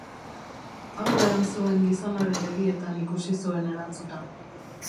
Aurrean zuen gizonaren begietan ikusi zuen erantzuna.